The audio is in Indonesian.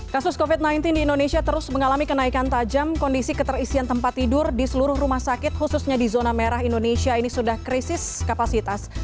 kasus covid sembilan belas di indonesia terus mengalami kenaikan tajam kondisi keterisian tempat tidur di seluruh rumah sakit khususnya di zona merah indonesia ini sudah krisis kapasitas